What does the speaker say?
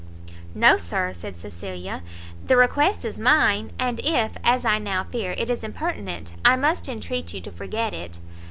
"No, Sir," said Cecilia, "the request is mine; and if, as I now fear, it is impertinent, I must entreat you to forget it."